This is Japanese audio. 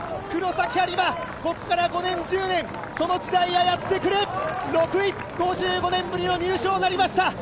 黒崎播磨、ここから５年、１０年、その時代がやってくる、６位、５５年ぶりの入賞なりました。